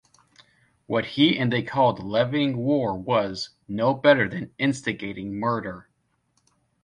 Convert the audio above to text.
What he and they called levying war was, no better than instigating murder.